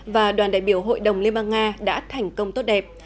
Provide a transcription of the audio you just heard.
và đoàn đại biểu hội đồng liên bang nga đã thành công tốt đẹp